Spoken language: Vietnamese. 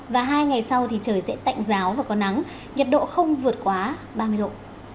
và hai ngày sau thì trời sẽ tạnh giáo và có nắng nhiệt độ không vượt quá ba mươi độ